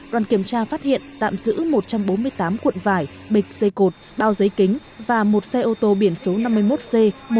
đoàn kiểm tra phát hiện tạm giữ một trăm bốn mươi tám cuộn vải bịch dây cột bao giấy kính và một xe ô tô biển số năm mươi một c một mươi năm nghìn hai trăm tám mươi ba